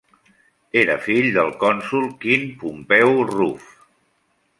Era fill del cònsol Quint Pompeu Ruf.